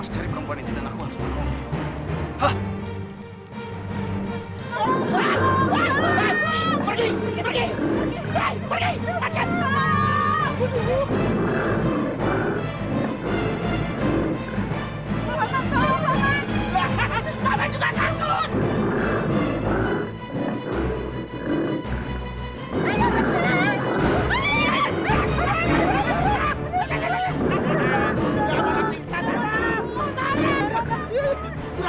sampai jumpa di video selanjutnya